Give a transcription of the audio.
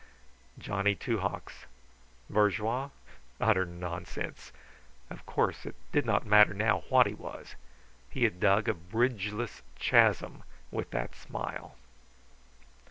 Johnny Two Hawks bourgeois? Utter nonsense! Of course it did not matter now what he was; he had dug a bridgeless chasm with that smile.